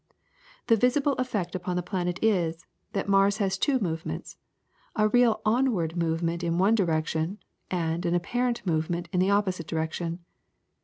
The visible effect upon the planet is, that Mars has two movements, a real onward movement in one direction, and an apparent movement in the opposite direction.